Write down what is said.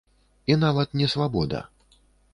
І нават не свабода.